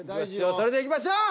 それではいきましょう。